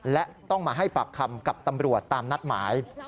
และต้องมาให้ปากคำกับตำรวจตามนัดหมาย